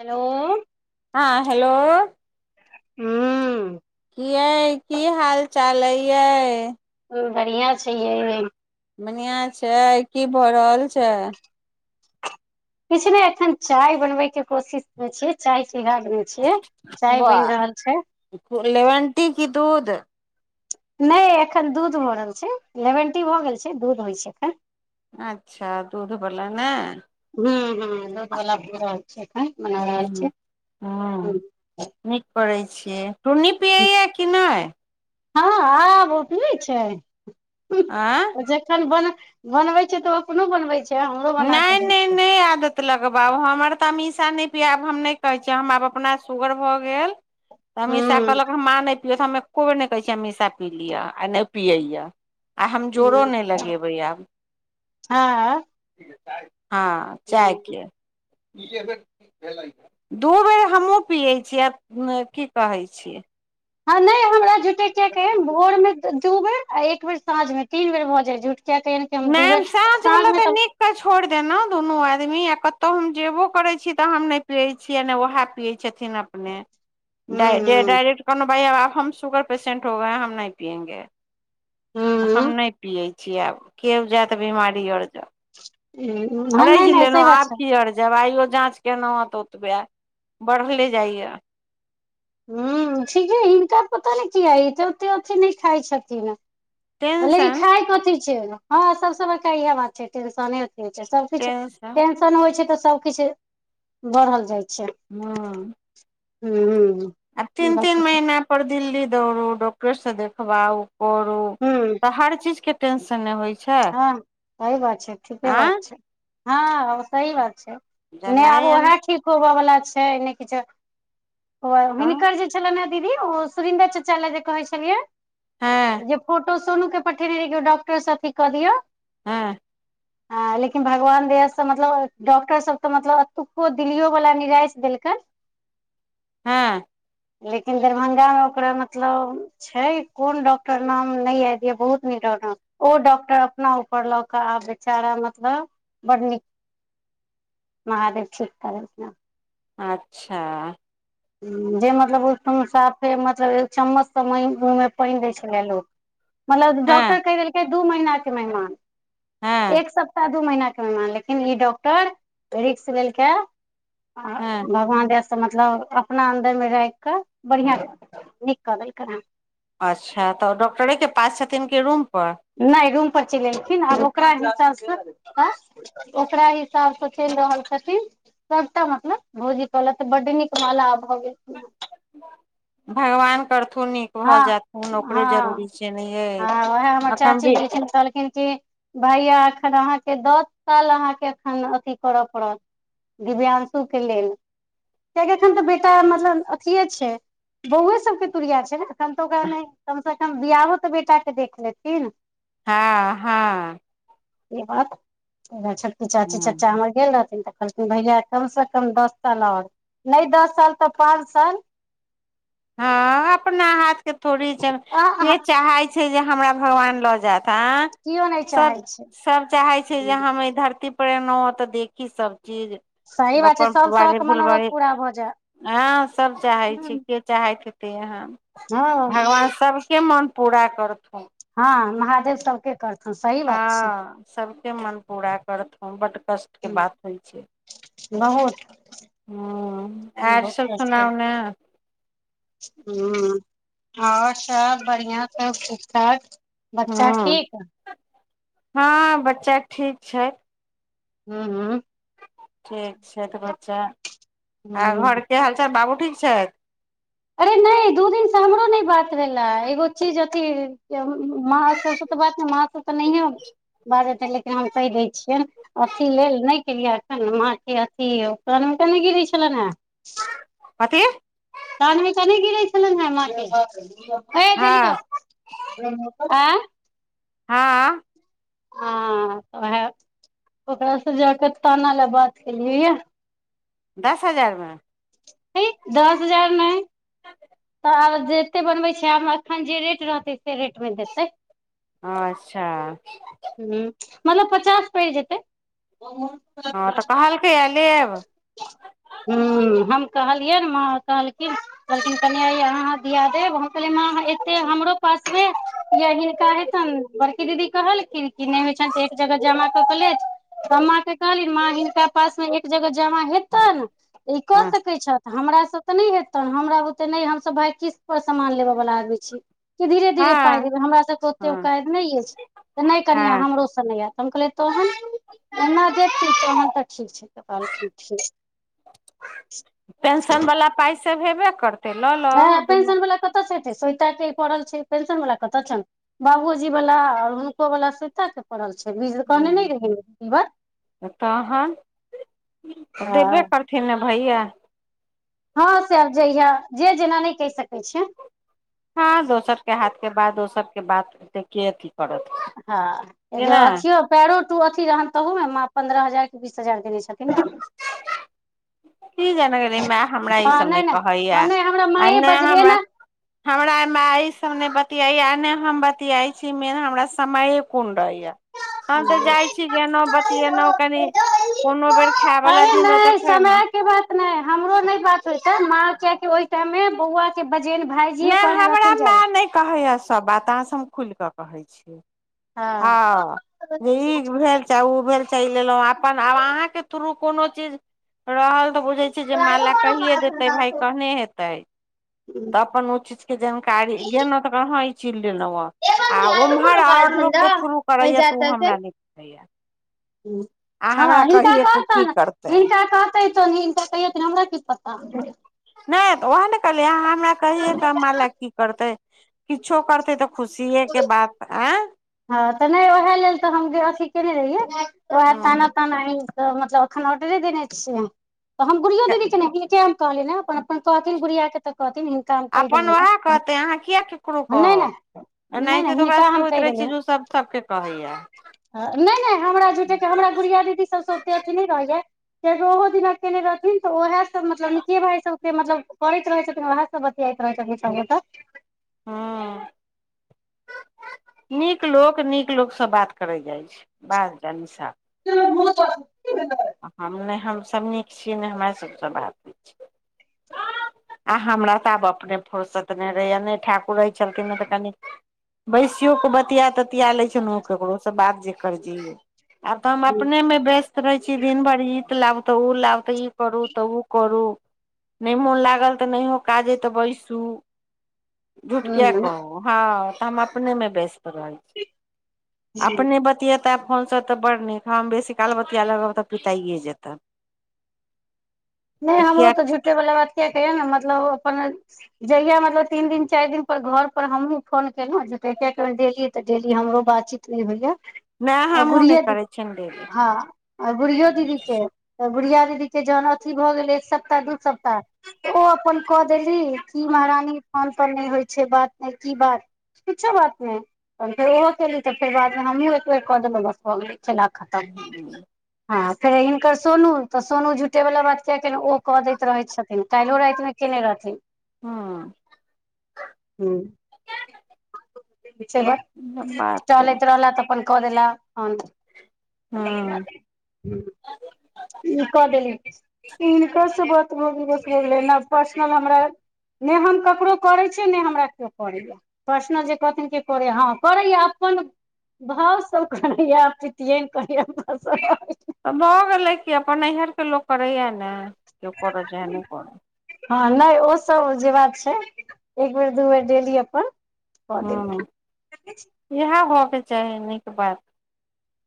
hello हँ hello हू कि यई की हाल चाल अई यइ बढ़िआँ छै यै बनिआँ छै की भऽ रहल छै किछ नै एखन चाय बनबै के कोशिश मे छीयै चाय चिरहा छियै चाय बनि रहल छै लेमैंनटी की दूध नै एखन दूध भऽ रहल छै लेमेंन टी भऽ गेल छै दूध होइ छै एखन अच्छा दूधवला नै हूं हूं दूध बला पिबाक छै एखन मना रहल हूँ छियै हूँ नीक करै छियै टुन्नी पियैए कि नहि हँ आब ओपीयै छाय आँ जखन बन बनबै छै तऽ ओ अपनो बनबै छै हमरो बना नहि क दै नहि छैय नहि आदत लगबाउ हमर तऽ अमीषा नै पिया हम नै कहे छीय हम आब अपना सुगर भऽ गेल अमिशा हूँ कहलक मा नै पिअ एको बेर नै कहै अमिशा पी लिअ आ नै ओ पियैया आ हम हूँ जोरो नै लगेबै आब हँ [unintelligible] हँ चायके दू बेर हमहुँ पियै छियै आ की कहैत छि ह नै हमरा जुटे किया कहियन भोर मे दू बेर एक बेर साँझ मे तीन बेर भऽ जाय झूठ किया कहियैन मैम साँझ बला तऽ नीक छोड़ देनौ दुनू आदमी या कतौ हम जेबो करै छी त हम नै पिये छी य ने उहा पिये छथिन [unintelligible] हूं कहलहु भाइ आब हम शुगर पेशेन्ट हो गए हम नहि पिएंगे हूं हम हूं नै पियै छीय आब केओ जायत बिमारी ओर ज हँ अढ़इ नहि जिल नहि ले न सही बात आब छै की अ [unintelligible] दवाइयो जाँच केलहुँ हँ तऽ ओतबे बढ़ले जाइया हू ठीके हिनकर पता नै किया ह ओते अथि नै खाय छथिन लेकिन टेंशन खाय कथी छै हँ सबस बड़का इएह बात छै टेंशने [unintelligible] सबकिछु टेंशन होइ छै तऽ सबकिछु दबल जाइ छै हँ हूँ हूँ आ तीन तीन महिना पर दिल्ली दौड़ू डॉक्टरसँ देखबाउ करु हूं तऽ हर चीज केँ टेंशन होइ छै हँ सही बात छै ठीके आँ बात छै हँ सही बात छै नै जेनाइ आब आन ओहै ठीक होबऽ वला छै नै किछो ओ हँ हिनकर जे छलैन हे दीदी ओ सुरीन्द्र चाचा लऽ जे कहे छलियै हँ जे फो टो सोनू केँ पठेने रहै की ओ डॉक्टर सँ अथि कऽ दियौ हँ हँ लेकिन भगवान दया सँ मतलब डॉक्टर सब तऽ मतलब अतुको दिल्लीयो वाला निराइश देलकै हँ लेकिन दरभंगा मऽ ओकरा मतलब छै कोन डॉक्टर नाम नहि याद यऽ बहुत नीक डॉक्टर ओ डॉक्टर अपना ऊपर लऽ कऽ आ बेचारा मतलब बड़ नीक महादेव ठीक कै देलखिन आब अच्छा जे मतलब ओ समय मऽ साफे मतलब चम्मछ सँ मुँह मऽ पाइन दै छलै लोक [unintelligible] मतलब हँ डॉक्टर कहि देलकै दू महीना कऽ मेहमान हँ एक सप्ताह दू महीना कऽ मेहमान लेकिन ई डॉक्टर रिक्स लेलक हँ भगवान दया सँ से मतलब अपना अन्दर मऽ राइख कऽ बढ़िया [unintelligible] नीक क देलकै हँ अच्छा तऽ डॉक्टरे केँ पास छथिन कि रूमपर नै रूम पर चलेलखिन आब ओकरा हिसाबसँ ओकरा हिसाबसँ चैल रहल छथिन सबटा मतलब भोजी कहलैथ बड्ड नीक माला जब भऽ गेलखिन हँ भगवान करथून नीक भऽ हँ जाथुन ओकरे जरूरी हँ छै ने यै हँ वैहै हमर अखन चाची भी गेलखिन कहलखिन भैया एखैन अहाँकेँ दस साल अहाँकेँ एखैन अथी करऽ पड़त दिव्यांशु केँ लेल कआकि एखन तऽ बेटा मतलब अथीे छै बौए सब कऽ तुरिया छै [unintelligible] ओकरा कम से कम बियाहो तऽ बेटा कऽ देख लेथिन हँ हँ ई बात ओकर छत पर चाची हँ चचा हमर गेल रहथिन तऽ कहलखिन भैया कम से कम दस साल और नइ दस साल तऽ पाँच साल हँ अपना हाथ केँ थोड़ी छै अब आ अहाँ केँ चाहै छै जे हमरा भगवान लऽ जायत आ केओ नहि सब चाहै छै सब चाहे छै जे हम एय धरती पर एलै हऽ तऽ देखी सभ चीज [unintelligible] सही बात छै सब शौक मनोरथ फुलबरीे पूरा भऽ जायत हँ सब चाहै छी के चाहैत हेतै एहेन हँ भगवान सबके मन पूरा करथु हँ महादेव सबके करथुन सही बात छै सभके मन पूरा करथुन बड्ड कष्ट केँ हूं बात होइ छै बहुत हूँ आर बहुत सब सुनाउ ने हूँ आओर सब बढ़िआँ सब ठीक ठाक बच्चा हूँ ठीक ह हँ बच्चा ठीक छै हूँ हूँ ठीक छैथ बच्चा आ ह घरके हालचाल बाबू ठीक छैथ अरे नहि दू दिन सऽ हमरो नहि बात भेला एगो चीज अथी [unintelligible] बाजतै लेकिन हम कहि दै छियनि अथी लेल नहि माँ के अथी उपकर मे केने गिरे छलनि हे कथि तहनमे त नहि गिरे छलनि हे हँ माँ [unintelligible] [unintelligible] आ हँ आ तऽ वएह ओत सऽ जाकऽ ताना लए बात केलियै यए दस हजारमे इ दस हजार नहि तऽ आब जते बनबै छ आब एखन जे रेट रहतै से रेटमे देतै ह अच्छ हू मतलब पचास पड़ि जेतै [inaudible] हँ तऽ कहलकैए लेब हु हम कहलियै नऽ माँ कहलखिन कहखिन कनिहाँ दिया देब हम कहलिए एते हमरो पासमे य हिनका हेतैन बड़की दीदी कहलखिन कि नहि होइ छ तऽ एक जगह जमा कऽ कऽ लेत तऽ माँ केँ कहलिन माँ हिनका पास मे एक जगह जमा हेतैन ई क हँ स हमरा से तऽ नहि हेतै हमरा बुते नहि हमसभ भाय किस्त पर सामान लेबे बाला अदमी छी कि धीरे धीरे पाइ हँ देबे हमरा सबकेँ ओते हँ उकायद नहि अछि नहि कनिया हँ हमरो सऽ नै हैते हम कहलिए तोहन एना दै छै तऽ ठीक छै तऽ कहलखिन ठीक [inaudible] पेंशन वाला पाइ सब हेबे कर ह पेंसन बला कतअ से हेतय स्वेता केँ इ पड़ल छै पेन्सन बला कतअ छन बाबूजी वला और हुनको वाला स्वेता परल छै बोस हजार तऽ कहने न रहय ई बात [inaudible] ह तहन [inaudible] देबे करथिन ने भैया हँ से आब जहिया जे जेना नहि कहि सकैय छियैन हँ दोसर केँ हाथ केँ बात दोसर के बात एते केँ अथी करत हँ [inaudible] एकरा जेना अथियो पैरों टू अथी रहन तहूमे माँ पन्द्रह हजार की बीस हजार देने छथिन न की जानअ गेलिए माय हमरा ई हँ सभ नय नहि नहि कहय या हँ नहि हमरा आ माँए नै बजलियै हमरा ने हमरा माय इ सब ने बतियाय या आ न हम बतियाय छी मैय हमरा समय कुन रहे यऽ [inaudible] हम तऽ जाइ छी गेनौ बतिएनू कनि कोनो बेर खाय बला दिन रहय तखैम नै हमरो नै बात होय छै माँ किय की ओय टाइम मे बौआ बजेन भाईजीए कहने रहथिन जाय ल कहैय सब बात आहाँ सऽ हम खुल कऽ कहै छी हँ काज जे ई [unintelligible] भेल चाहे ऊ भेल चाहे लेलू अपन आब अहाँ केँ थ्रू कोनो चीज रहल तऽ बुझे जे माला कहि देतैय भाय कहने हेतै तऽ अपन ओ चीज केँ जानकारी कहा इ चीज लेलो आ उम्हर और लोक धंधा केँ थ्रू करे नहि यऽ जा तऽ उ तक हमरा नै [unintelligible] [inaudible] हिनका के की कहतैन करतै हिनका कहतैन [unintelligible] कैयहथिन कि हमरा कि पता नय तऽ उएह ने कहलियै अमा हमरा कहिए क माला की करतै किछो करतै तऽ खुशिये के बात आँ हँ तऽ नय ओहे लेल तऽ हम अथी केने रहियै ओएहे ताना ह ताना तऽ मतलब एखन ऑर्डरे देने छियै तऽ हम गुड़ियों दीदी के नय कि कहैछै हम कहली ने अपन अपन कहथिन गुड़िया के तऽ कहथिन हम कहि अपन देलियै उएहे कहतै अहाँ किए ककरो ने नहि नहि कहब नहि नहि एनाहिते तऽ ओकारा हिनका सभ के होइत रहै छै जे ऊ सब सबके कहै या नै नै हमरा झूठे के हमरा गुड़िया दीदी सब स ते अथी नै रहैय या किया कि ओहो दिना केने रहथिन तऽ ओएह मतलब नीके भाई सब मतलब करैत रहै छथिन ओएह सब बतियाइत रहै छथिन सब गोटा हु नीक लोक नीक लोक सँ बात करै जाई छै बात जानि साफ त बहुत [unintelligible] हम नै हम सभ नीक छीयै नै हमरा सभसँ बात होइ छै आ हमरा तऽ आब अपने फुरसत नै रहैया नै ठाकुर रहै छलखिन तऽ कनि बैसियो क बतिया ततिया लै छौ केकरो सँ बात जे आब तऽ हम अपने मे व्यस्त रहै कि दिन भरि ईत लाब तऽ ओ लाब तऽ ई करू तऽ ओ करू नै मोन लागल तऽ नहियो काज अय तऽ बैसू झूठ किया कहू हँ तऽ हम अपने मे व्यस रहै छै अपने बतियेता फोन सँ तऽ बड़ नीक हम बेसी काल बतिया लगब तऽ पिताइये जेता नै हमरो किया तऽ झुटे वाला बात किया कहैन मतलब ओ अपन जहिया मतलब तीन दिन चारि दिन पर घर पर हमहुँ फोन केलहुँं झूठे के डेली तऽ डेली हमरो बातचीत ई होइ या नहि आ हमहुँ नहि गुड़ियों दीदी करै छियनि डेली हँ आ गुड़ियो दीदी के तऽ गुड़िया दीदी के जहन अथि भऽ गेलै एक सप्ताह दू सप्ताह ओ अपन कऽ देली कि महारानी फोन तौन नहि होइत छै बात नै की बात किछो बात नै फेर ओहो केली तऽ फेर बादमे हमहूँ एक बेेर कऽ देबै बस भऽ गेल च खतम ह फेर हिनकर सोनू तऽ सोनू झुठे वाला बात [unintelligible] ओ कऽ दैत रहै छथिन काल्हि रातिमे केने रहथिन ह [unintelligible] बात चलैत रहला तऽ अपन क देला फन ह [unintelligible] क देली हिनका स बात भ गेलै पर्सनल हमरा नै हम ककरो करै छियै नै हमरा केओ करैया [unintelligible] करैय अपन भाव सब कहैया पितियैन करैया [unintelligible] तऽ भऽ गेलै कि अपन नैहरके लोक करैया ने केओ करै चाहे नै करै हँ नहि ओ सब जे बात छै एक बेर दू बेर डेली अपन कऽ देली हूँ इएह होयके चाही नीक बात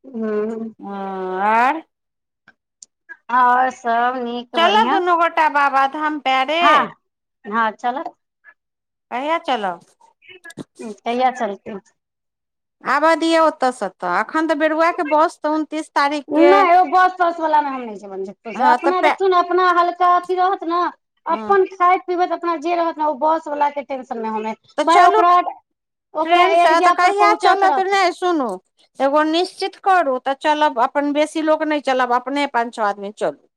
हू [unintelligible] हँ आर आओर सब नीक चलऽ बढ़िआँ दुनू गोटा बाबाधाम हँ हँ चलो कहिआ चलब कहिया चलतै आबे दिअ ओतए सँतऽ एखन तऽ बेरुआके बस उन्नतीस तारीख के नहि एगो बस तस वाला मे छै हँ तऽ अपना पै देखु ने अपना हल्का अथी रहत ने हँ अपन खइत अपना जे रहत ने ओ बस वाला के टेंशन मे होन तऽ ' भाय चलू ओकरा ओकरा एरिया पर पहुँचे के रहतह सुनो एगो निश्चित करू तऽ चलब अपन बेसी लोक नहि चलब अपने पााँच छओ आदमी चलू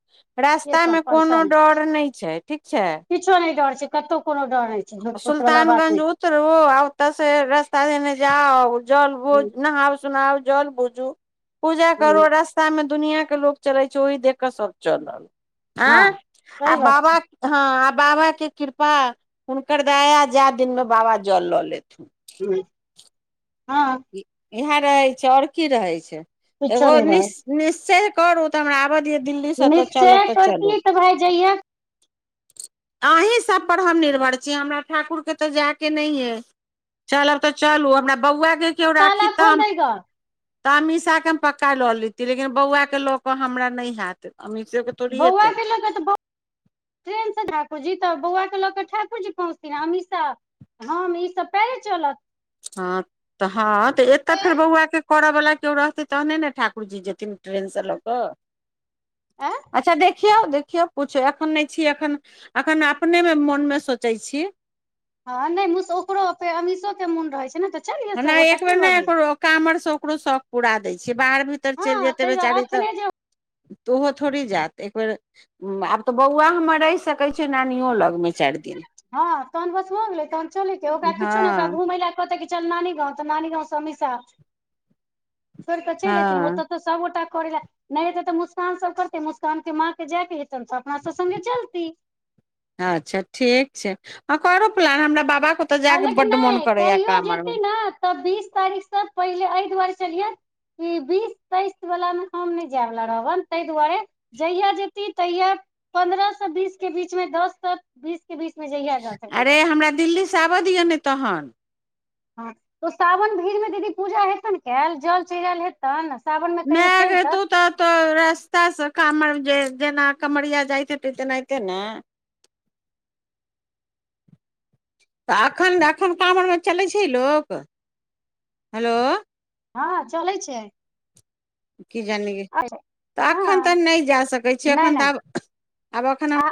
से रास्ता सब मे कोनो पहचान डर नहि छै ठीक छै किछो नहि डर छै कतौ कोनो डर ह छै झूठ पूठ वला बात नहि छै रहु आतऽ से रस्ता दने जाउ जल बुझ छै नहाउ सुनाउ जल बुझ पूजा करू रास्तामे दुनियाँके लोक चलै छै ओही देख कऽ सभ चलल हँ आ सही बात बाबा छै हँ आ बाबा के कृपा हुनकर दया जाए दिनमे बाबा जल लऽ लेथुन हँ इएह रहै छै अओर की रहै छै किछो एगो नहि नि रहत निश्च करू त हमरा आबऽ दिय दिल्लीसँ तऽ निश्चय चलब तऽ चलू करती तऽ भाय जहिया अहीँ सभपर हम निर्भर छी हमरा ठाकुरके तऽ जायके नहि अइ चलब तऽ चलू हमरा बौआकेँ केओ राखी ताला त खोल हम दै ग तऽ अमीषा के हम पक्का लऽ लेती लेकिन बौआ के लऽ केऽ हमरा नहि हयत अमीषे ' बौआ केल तऽ ब ट्रेन से ठाकुर जी तऽ बौआ के लऽ कऽ ठाकुर जी पहुँचथिन अमीषा हम ई सब पहिले चलत ह तऽ हँ तऽ एतय फेर बौआके करय वला केओ रहतै तहने ने ठाकुर जी जेथिन ट्रेनसँ लऽ कऽ आँ अच्छा दे देखियौ देखियौ पूछो एखन नहि छी एखन अखन अपने मे मोन मे सोचै छीये हँ नहि ओकरो अमीषो के मोन रहै छै ने तऽ चलियै नहि सबगोटा एक की बेर भऽ नहि गेलै करू काँमरसँ ओकरो शौख पूरा दै छै बाहर भीतर चलि हँ तै जेतै बेचारी तऽ एखने जे तऽ ओहो थोड़ी जात एक बेेर आब तऽ बौआ हमर रहि सके छ नानियो लग ' हँ तहन बस हो गेलै तहन चले के ओकरा किछो ने हँ ओकरा घुमे लय चल नानी गाँव तऽ नीगाँंव स अमिशा छोर तऽ छ जाइ हँ ओतय तऽ सबटा करा नहि एतै तऽ मुस्कान सब करतै मुस्कानके माँ के जायके हेतनि तऽ अपना सभ सगे चलतीै अच्छा ठीक छै हँ करू प्लान हमरा बाेतऽ हँ जायाक लेकिन बड्ड मोन नहि करैया कहियो कामर जेती मे ने तऽ बीस तारीख से पहिले एहि दुआरे चलियै बीस तेइस वला मे हम नहि जायबला रहबन तेय दुआरे जहिया जेती तहिया पन्द्रह से बीस के बीचमे दस बीस के बीस मे जय आ जा अरे सकेेग हमरा दिल्ली आबऽ दिऽ नहि तहन हँ तऽ सावन भीड़ मे दीदी पूजा हेतनि कयल जल चढ़एल हेत तन सावन मे कहियो चलितथि तो रास्ता से कामर जे जेना कमरिया जायत हेते तेनाहिते ने तऽ एखन एखन कावर मे चलै छै लोक हेलो हँ चलै छै की जानलियै तऽ एखन तऽ हँ नहि जा सकै छी नहि एखन नहि तऽ आब आब एखन हम आ